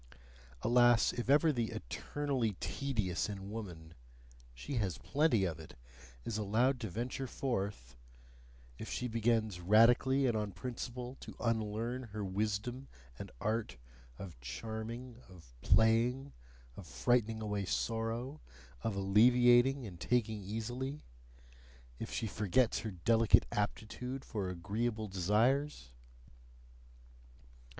Alas, if ever the "eternally tedious in woman" she has plenty of it! is allowed to venture forth! if she begins radically and on principle to unlearn her wisdom and art of charming, of playing, of frightening away sorrow, of alleviating and taking easily; if she forgets her delicate aptitude for agreeable desires!